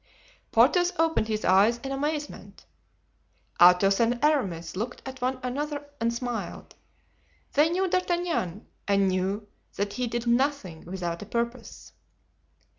Porthos opened his eyes in amazement; Athos and Aramis looked at one another and smiled; they knew D'Artagnan, and knew that he did nothing without a purpose.